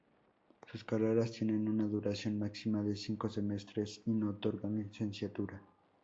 Sus carreras tienen una duración máxima de cinco semestres y no otorgan licenciatura.